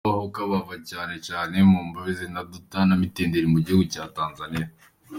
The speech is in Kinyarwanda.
Abatahuka bava cane cane mu nkambi za Nduta na Mtendeli mu gihugu ca Tanzania.